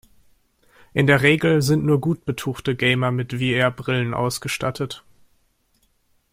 In der Regel sind nur gut betuchte Gamer mit VR-Brillen ausgestattet.